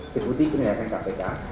diputi penyelidikan kpk